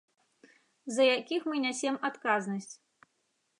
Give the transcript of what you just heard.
За якіх мы нясем адказнасць.